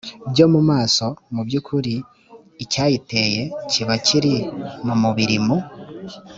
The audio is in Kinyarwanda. byo mu maso mu by ukuri icyayiteye kiba kiri mu mubiri mu